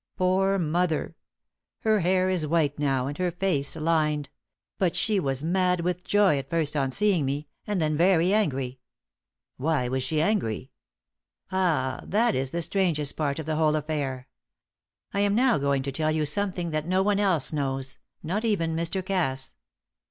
Poor mother! Her hair is white now, and her fact lined; but she was mad with joy at first on seeing me, and then very angry." "Why was she angry?" "Ah, that is the strangest part of the whole affair! I am now going to tell you something that no one else knows not even Mr. Cass."